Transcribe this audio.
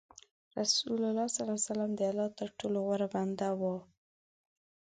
رسول الله د الله تر ټولو غوره بنده و.